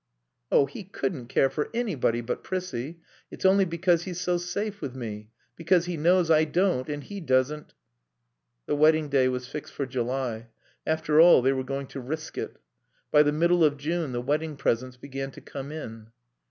"Oh, he couldn't care for anybody but Prissie. It's only because he's so safe with me, because he knows I don't and he doesn't ." The wedding day was fixed for July. After all, they were going to risk it. By the middle of June the wedding presents began to come in.